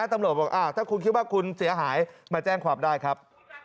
ตำรวจบอกถ้าคุณคิดว่าคุณเสียหายมาแจ้งความได้ครับ